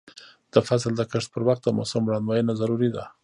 د فصل د کښت پر وخت د موسم وړاندوینه ضروري ده.